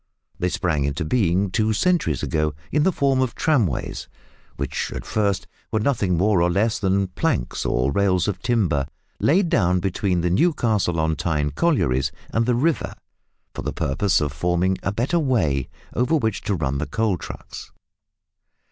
They sprang into being two centuries ago in the form of tramways, which at first were nothing more or less than planks or rails of timber laid down between the Newcastle on Tyne collieries and the river, for the purpose of forming a better "way" over which to run the coal trucks.